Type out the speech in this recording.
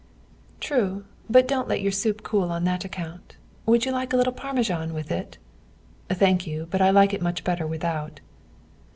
"True, but don't let your soup cool on that account. Would you like a little Parmesan with it?" "Thank you, but I like it much better without."